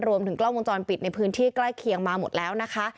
รวมถึงกล้องวงจรปิดในพื้นที่ใกล้เคียงมาหมดแล้วนะคะ